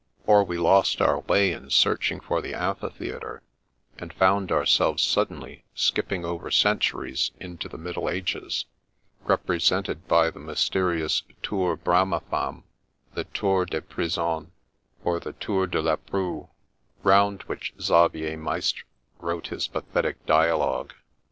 Or, we lost our way in searching for the amphitheatre, and found ourselves suddenly skipping over centuries into the Middle Ages, repre sented by the mysterious Tour Bramafam, the Tour des Prisons, or the Tour du Lepreux, round which Xavier Maistre wrote his pathetic dialogue.